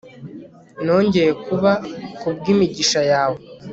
nongeye kuba, kubwimigisha yawe